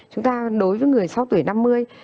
chúng ta đối với người sáu tuổi năm mươi